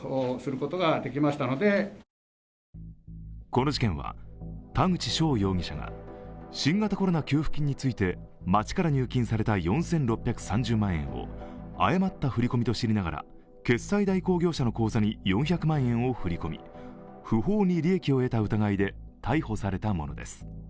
この事件は田口翔容疑者が新型コロナ給付金について町から入金された４６３０万円を誤った振り込みと知りながら決済代行業者の口座に４００万円を振り込み、不法に利益を得た問題で逮捕されたものです。